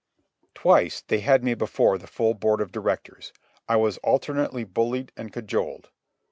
Twice they had me before the full Board of Directors. I was alternately bullied and cajoled.